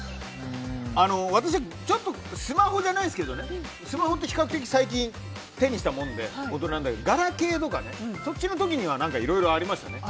私はスマホじゃないですけどスマホって比較的最近手にしたものだけどガラケーとか、そっちの時には何か、いろいろありましたね。